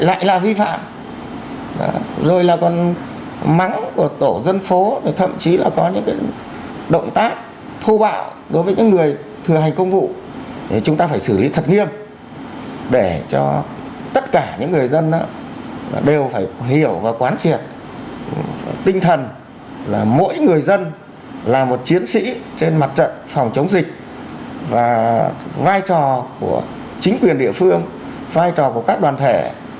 lại là vi phạm rồi là con mắng của tổ dân phố thậm chí là có những cái động tác thô bạo đối với những người thừa hành công vụ thì chúng ta phải xử lý thật nghiêm để cho tất cả những người dân đó đều phải hiểu và quán triệt tinh thần là mỗi người dân là một chiến sĩ trên mặt trận phòng chống dịch và vai trò của chính quyền địa phương vai trò của các đoàn thể